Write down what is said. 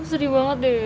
seri banget deh